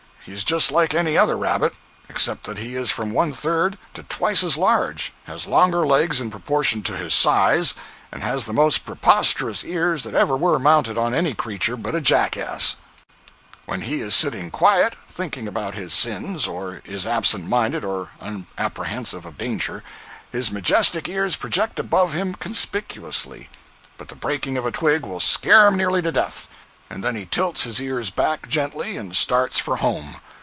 He is just like any other rabbit, except that he is from one third to twice as large, has longer legs in proportion to his size, and has the most preposterous ears that ever were mounted on any creature but a jackass. 032.jpg (27K) When he is sitting quiet, thinking about his sins, or is absent minded or unapprehensive of danger, his majestic ears project above him conspicuously; but the breaking of a twig will scare him nearly to death, and then he tilts his ears back gently and starts for home.